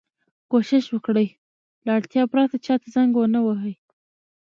کوشش وکړئ! له اړتیا پرته چا ته زنګ و نه وهئ.